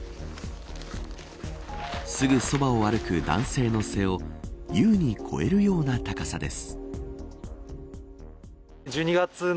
すぐそばを歩く男性の背を優に超えるような高さです。